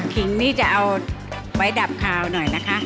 ขิงนี่จะเอาไว้ดับคาวหน่อยนะคะ